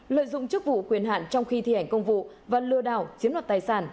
lợi dụng chức vụ quyền hạn trong khi thi hành công vụ và lừa đảo chiếm đoạt tài sản